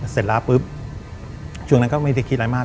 เสร็จแล้วปุ๊บช่วงนั้นก็ไม่ได้คิดอะไรมาก